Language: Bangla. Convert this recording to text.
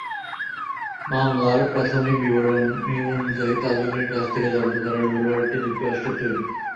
মামলার প্রাথমিক বিবরণী অনুযায়ী, তাজুলের কাছ থেকে জব্দ করা রিভলবারটি যুক্তরাষ্ট্রের তৈরি।